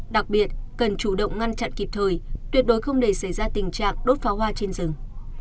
đặc biệt cần chủ động ngăn chặn kịp thời tuyệt đối không để xảy ra tình trạng đốt pháo hoa trên rừng